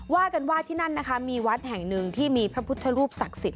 ว่ากันว่าที่นั่นนะคะมีวัดแห่งหนึ่งที่มีพระพุทธรูปศักดิ์สิทธิ